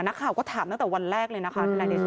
นักข่าวก็ถามตั้งแต่วันแรกเลยนะคะ